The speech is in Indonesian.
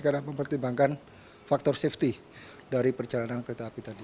karena mempertimbangkan faktor safety dari perjalanan kereta api tadi